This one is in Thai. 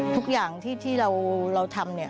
ทุกอย่างที่เราทำ